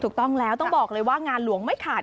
ถูกต้องแล้วต้องบอกเลยว่างานหลวงไม่ขาด